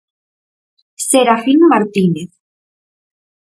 Serafín Martínez.